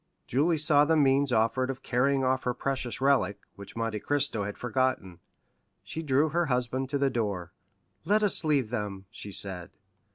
Julie saw the means offered of carrying off her precious relic, which Monte Cristo had forgotten. She drew her husband to the door. "Let us leave them," she said.